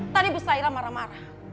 tadi bu saira marah marah